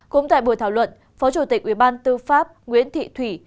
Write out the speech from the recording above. cũng tại buổi thảo luận phó chủ tịch ubnd tư pháp nguyễn thị thủy